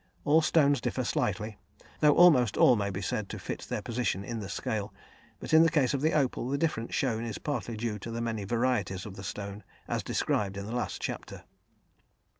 All stones differ slightly, though almost all may be said to fit their position in the scale; but in the case of the opal, the difference shown is partly due to the many varieties of the stone, as described in the last chapter.